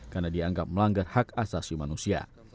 karena dianggap melanggar hak asasi manusia